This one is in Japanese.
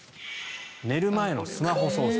寝る前のスマホ操作。